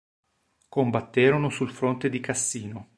Combatterono sul fronte di Cassino.